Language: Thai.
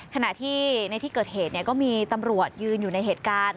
ขณะที่ในที่เกิดเหตุก็มีตำรวจยืนอยู่ในเหตุการณ์